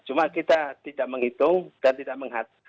cuma kita tidak menghitung dan tidak melihat